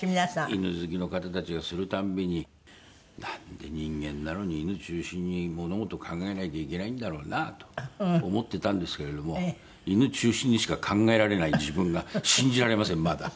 犬好きの方たちがするたびになんで人間なのに犬中心に物事を考えなきゃいけないんだろうなと思ってたんですけれども犬中心にしか考えられない自分が信じられませんまだ。